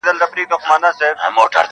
ما په غزل کي وه د حق پر جنازه ژړلي -